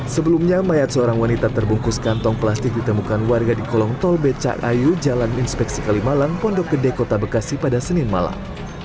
sebelumnya mayat seorang wanita terbungkus kantong plastik ditemukan warga di kolong tol becak ayu jalan inspeksi kalimalang pondok gede kota bekasi pada senin malam